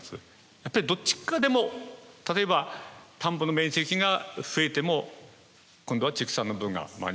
やっぱりどっちかでも例えば田んぼの面積が増えても今度は畜産の分が間に合わない。